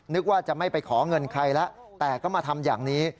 นึกว่าจะไม่ไปขอเงินใครแล้วแต่ก็มาทำอย่างนี้